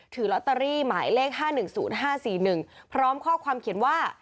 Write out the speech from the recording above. ถือล็อตเตอรี่หมายเลขห้าหนึ่งศูนย์ห้าสี่หนึ่งพร้อมข้อความเขียนว่า